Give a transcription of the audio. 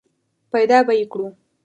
پیدا به یې کړو !